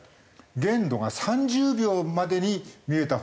限度が３０秒までに見えたほうがいい。